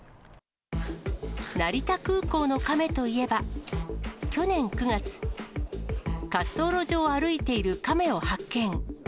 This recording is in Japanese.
成田空港のカメといえば、去年９月、滑走路上を歩いているカメを発見。